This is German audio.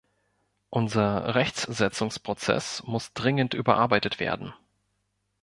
Unser Rechtssetzungsprozess muss dringend überarbeitet werden.